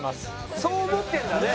そう思ってんだね。